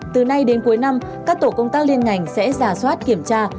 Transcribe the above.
từ nay đến cuối năm các tổ công tác liên ngành sẽ giả soát kiểm tra